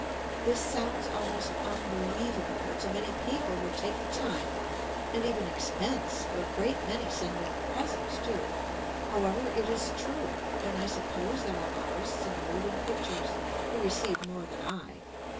This sounds almost unbelievable — that so many peo ple would take the time and even expense, for a great many send me presents too. However, it is true, and I suppose there are artists in the moving pictures who receive more than I.